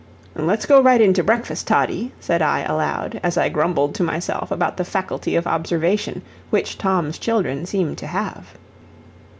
"Let's go right in to breakfast, Toddie," said I aloud, as I grumbled to myself about the faculty of observation which Tom's children seemed to have.